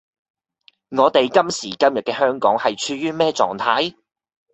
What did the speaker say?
我哋今時今日嘅香港係處於咩狀態?